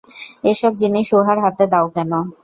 এ-সব জিনিস উহার হাতে দাও কেন?